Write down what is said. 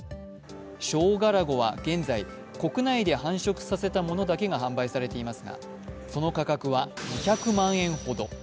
ショウガラゴは現在、国内で繁殖させたものだけが販売されていますが、その価格は２００万円ほど。